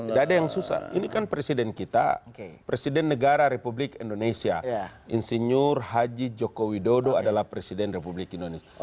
tidak ada yang susah ini kan presiden kita presiden negara republik indonesia insinyur haji joko widodo adalah presiden republik indonesia